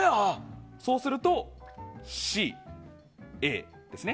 そうするとＣ、Ａですね。